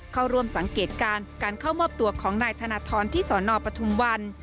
เข้าร่วมสังเกตการณ์การเข้ามอบตัวของนายธนทรที่สนปทุมวัน